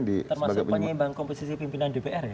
termasuk penyeimbang komposisi pimpinan dpr ya